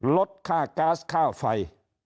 ลดค่าก๊าซค่าไฟ